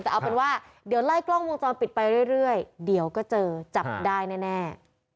แต่เอาเป็นว่าเดี๋ยวไล่กล้องวงจรปิดไปเรื่อยเดี๋ยวก็เจอจับได้แน่